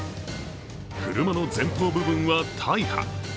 車の前方部分は大破。